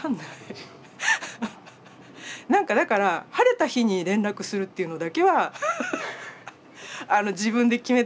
何かだから晴れた日に連絡するっていうのだけは自分で決めてて。